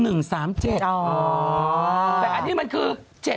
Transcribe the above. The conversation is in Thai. แต่อันนี้มันคือ๗๗